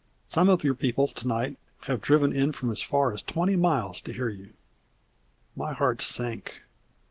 Some of your people to night have driven in from as far as twenty miles to hear you." My heart sank.